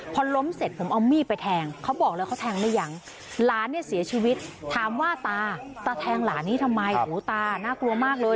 พอล้มเสร็จผมเอามีดไปแทงเขาบอกเลยเขาแทงหรือยังหลานเนี่ยเสียชีวิตถามว่าตาตาแทงหลานนี้ทำไมหูตาน่ากลัวมากเลย